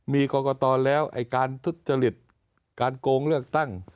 มีกรกตแล้วการทุจจฤทธิการโกงเลือกตั้ง